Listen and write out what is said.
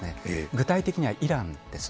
具体的にはイランです。